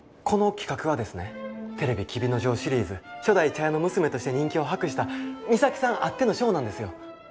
この企画はですねテレビ「黍之丞」シリーズ初代茶屋の娘として人気を博した美咲さんあってのショーなんですよ。